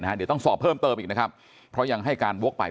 เดี๋ยวต้องสอบเพิ่มเติมอีกนะครับเพราะยังให้การวกไป